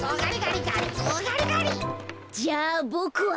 じゃあボクは。